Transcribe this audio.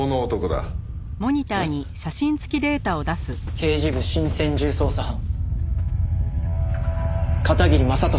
刑事部新専従捜査班片桐正敏